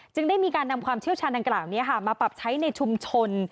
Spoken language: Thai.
ได้มีการนำความเชี่ยวชาญดังกล่าวนี้มาปรับใช้ในชุมชน